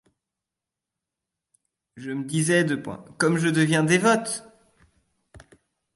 Je me disais: Comme je deviens dévote!